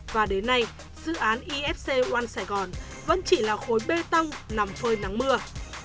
và đến nay dự án ifc oan sài gòn vẫn chỉ là khối bê tông nằm phơi nắng mưa